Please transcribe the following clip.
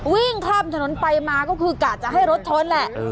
วิ่งข้ามถนนไปมาก็คือกะจะให้รถชนแหละ